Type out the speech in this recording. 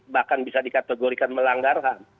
bahkan bisa dikategorikan melanggar ham